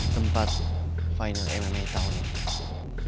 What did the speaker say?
tempat final enemy tahun ini